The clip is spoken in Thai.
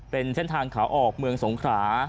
เป็นเส้นทางขาออกเมืองสงขรา